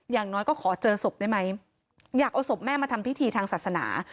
อย่างน้อยก็ขอเจอศพได้ไหมอยากเอาศพแม่มาทำพิธีทางศาสนา